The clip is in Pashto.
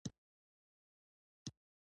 د ښار مشهورې مسلۍ